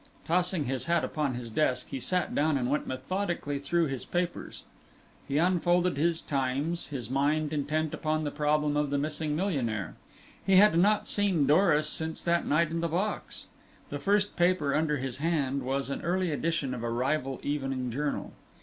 Tossing his hat upon his desk, he sat down and went methodically through his papers. He unfolded his Times, his mind intent upon the problem of the missing millionaire. He had not seen Doris since that night in the box. The first paper under his hand was an early edition of a rival evening journal.